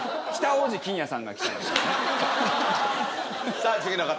さあ次の方。